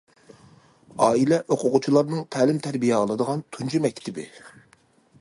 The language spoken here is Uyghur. ئائىلە ئوقۇغۇچىلارنىڭ تەلىم- تەربىيە ئالىدىغان تۇنجى مەكتىپى.